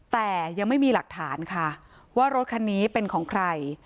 แต่ยังไม่มีหลักฐานค่ะว่ารถคันนี้เป็นของใคร